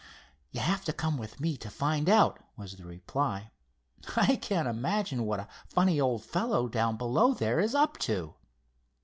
"You have to come with me to find out," was the reply. "I can't imagine what a funny old fellow down below there is up to."